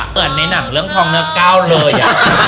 เหมือนในหนังเรื่องทองเนื้อเก้าเลยอ่ะ